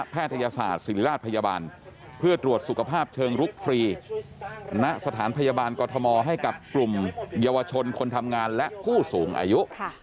พยาบาลกรทมให้กับกลุ่มเยาวชนคนทำงานและผู้สูงอายุ